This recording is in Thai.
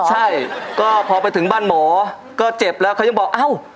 ใช่ก็พอไปถึงบ้านหมอก็เจ็บแล้วเขายังบอกเอ้า